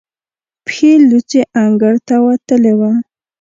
پښې لوڅې انګړ ته وتلې وه.